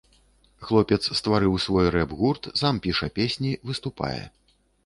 Хлопец стварыў свой рэп-гурт, сам піша песні, выступае.